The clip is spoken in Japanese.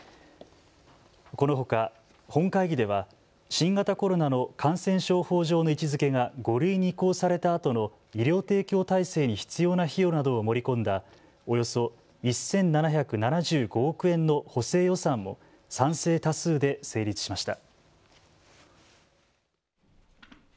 このほか本会議では新型コロナの感染症法上の位置づけが５類に移行されたあとの医療提供体制に必要な費用などを盛り込んだおよそ１７７５億円の補正予算も賛成多数で成立しました。